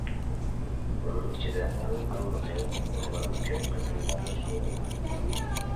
بۇنىڭ ئىچىدە ئەڭ داڭلىقى ھونلارنى كۆپ قېتىم مەغلۇپ قىلغان.